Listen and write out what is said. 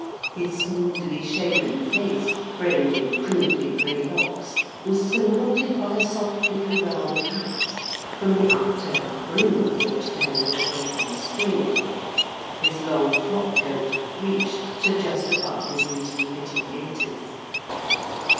His smoothly shaven face, framed in crinkly, gray locks, was surmounted by a soft, little, round hat, from the up turned brim of which dangled a broken string. His long frock coat reached to just above his loosely fitting gaiters.